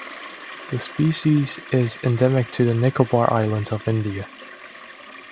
The species is endemic to the Nicobar Islands of India.